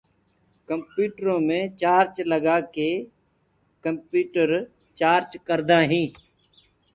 ڪمپيوٽرو مي چآرجر لگآ ڪي ڪمپيوٽر چآرج ڪردآ هين